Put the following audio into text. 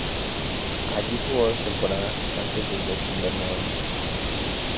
Allí jugó dos temporadas antes de descender nuevamente.